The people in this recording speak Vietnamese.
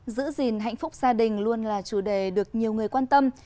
giữ gìn hạnh phúc gia đình luôn là chủ đề được nhiều người quan tâm